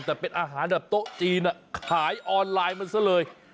แต่เป็นอาหารแบบโต๊ะจีนขายออนไลน์มันซะเลย